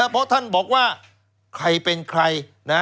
เพราะท่านบอกว่าใครเป็นใคร